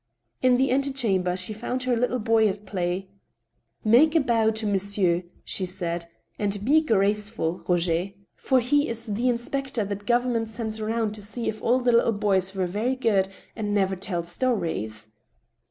In the antechamber she found her little boy at play. " Make a bow to monsieur," she said, " and be careful, Roger, 5 66 THE STEEL HAMMER, for he is the inspector that government sends round to see if all little boys are very good and never tell stories."